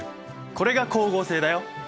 これが光合成だよ。